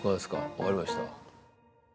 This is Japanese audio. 分かりました。